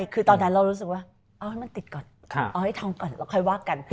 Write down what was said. คือตอนนั้นเรารู้สึกว่าเอาให้มันติดก่อนเอาให้ทองก่อนเราค่อยว่ากัน